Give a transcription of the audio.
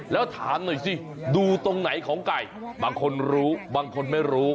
แล้วถามหน่อยสิดูตรงไหนของไก่บางคนรู้บางคนไม่รู้